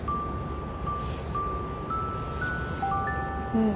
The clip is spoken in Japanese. うん。